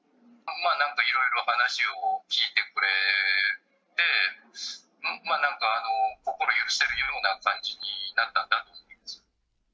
なんかいろいろ話を聞いてくれて、まあ、なんか心許せるような感じになったんだと思います。